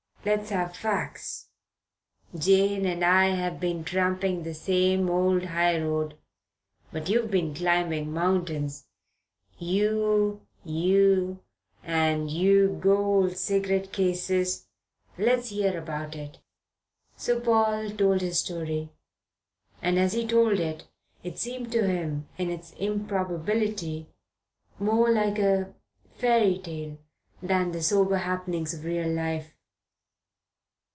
Let's have fac's. Jane and I have been tramping the same old high road, but you've been climbing mountains yer and yer gold cigarette cases. Let's hear about it." So Paul told his story, and as he told it, it seemed to him, in its improbability, more like a fairy tale than the sober happenings of real life.